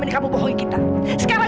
nanti fado cerita semua ya ma